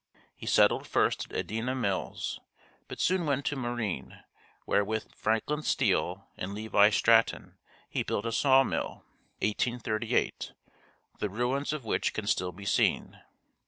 He settled first at Edina Mills, but soon went to Marine, where with Franklin Steele and Levi Stratton he built a sawmill, (1838) the ruins of which can still be seen.